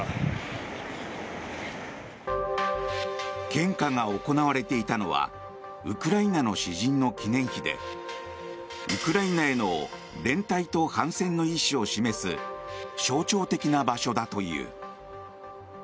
献花が行われていたのはウクライナの詩人の記念碑でウクライナへの連帯と反戦の意思を示す象徴的な場所だという。